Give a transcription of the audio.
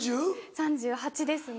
３８ですね。